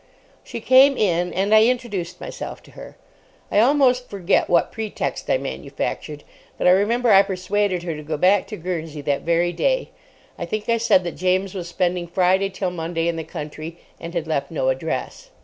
She came in and I introduced myself to her. I almost forget what pretext I manufactured, but I remember I persuaded her to go back to Guernsey that very day. I think I said that James was spending Friday till Monday in the country, and had left no address.